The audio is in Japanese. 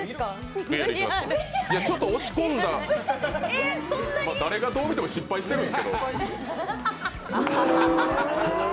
ちょっと押し込んだ、誰がどう見ても失敗してるんですけど。